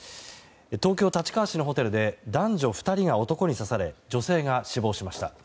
東京・立川市のホテルで男女２人が男に刺され女性が死亡しました。